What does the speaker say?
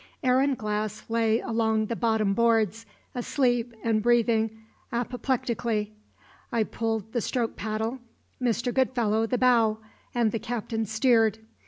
Aaron Glass lay along the bottom boards, asleep and breathing apoplectically. I pulled the stroke paddle, Mr. Goodfellow the bow, and the Captain steered.